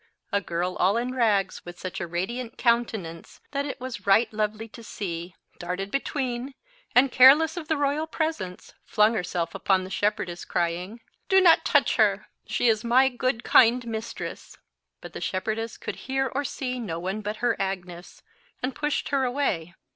a girl all in rags, with such a radiant countenance that it was right lovely to see, darted between, and careless of the royal presence, flung herself upon the shepherdess, crying,— "Do not touch her. She is my good, kind mistress." But the shepherdess could hear or see no one but her Agnes, and pushed her away.